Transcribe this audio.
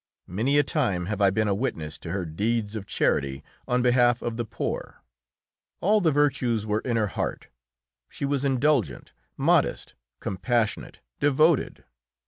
Many a time have I been a witness to her deeds of charity on behalf of the poor. All the virtues were in her heart: she was indulgent, modest, compassionate, devoted.